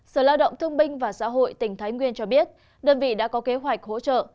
sở lao động thương binh và xã hội tỉnh thái nguyên cho biết đơn vị đã có kế hoạch hỗ trợ